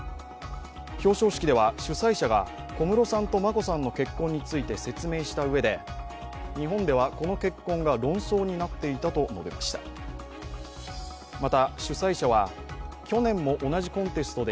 表彰式では主催者が小室さんと眞子さんの結婚について説明したうえで日本では、この結婚が論争になっていたと述べました。